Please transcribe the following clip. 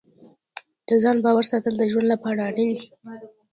د ځان باور ساتل د ژوند لپاره اړین دي.